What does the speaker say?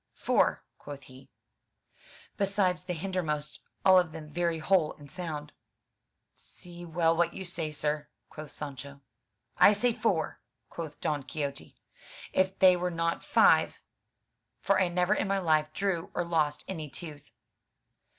'' "Four," quoth he, "besides the hindermost; all of them very whole and sound." "See well what you say, sir," quoth Sancho. "I say four," quoth Don Quixote, "if they were not five; for I never in my Hfe drew or lost any tooth."